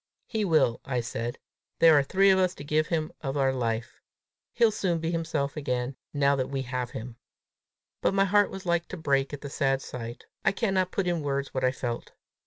"He will," I said. "Here are three of us to give him of our life! He'll soon be himself again, now that we have him!" But my heart was like to break at the sad sight. I cannot put in words what I felt.